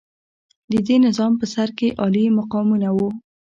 د دې نظام په سر کې عالي مقامونه وو.